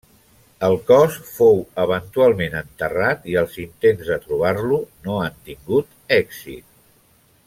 El cos fou eventualment enterrat i els intents de trobar-lo no han tingut èxit.